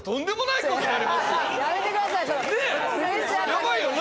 やばいよな？